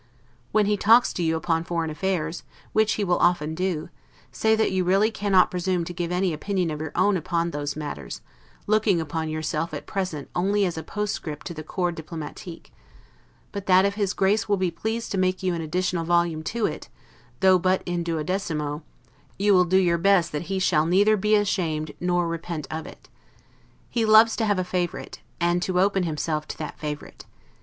When he talks to you upon foreign affairs, which he will often do, say that you really cannot presume to give any opinion of your own upon those matters, looking upon yourself at present only as a postscript to the corps diplomatique; but that, if his Grace will be pleased to make you an additional volume to it, though but in duodecimo, you will do your best that he shall neither be ashamed nor repent of it. He loves to have a favorite, and to open himself to that favorite.